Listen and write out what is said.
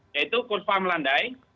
yaitu kurva melandai